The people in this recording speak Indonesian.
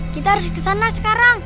kita harus ke sana sekarang